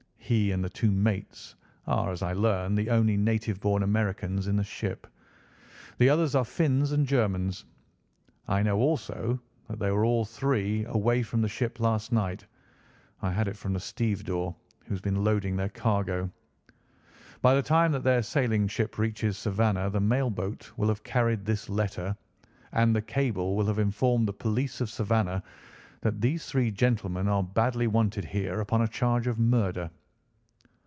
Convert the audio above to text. He and the two mates, are as I learn, the only native born Americans in the ship. The others are Finns and Germans. I know, also, that they were all three away from the ship last night. I had it from the stevedore who has been loading their cargo. By the time that their sailing ship reaches Savannah the mail boat will have carried this letter, and the cable will have informed the police of Savannah that these three gentlemen are badly wanted here upon a charge of murder."